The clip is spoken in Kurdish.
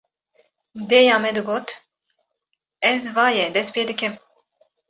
Dêya me digot: Ez va ye dest pê dikim